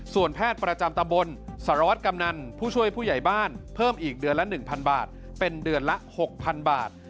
ส่วนแพทย์ประจำตะบนสารวัตรกำนันผู้ช่วยผู้ใหญ่บ้านเพิ่มอีกเดือนละ๑๐๐บาทเป็นเดือนละ๖๐๐๐บาท